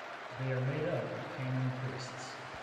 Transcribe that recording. They are made up of canon priests.